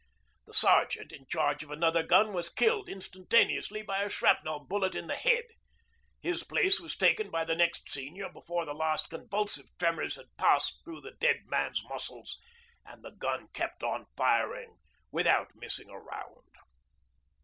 The sergeant in charge of another gun was killed instantaneously by a shrapnel bullet in the head. His place was taken by the next senior before the last convulsive tremors had passed through the dead man's muscles; and the gun kept on without missing a round.